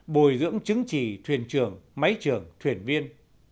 bồi dưỡng chứng chỉ thuyền trường máy trường thuyền viên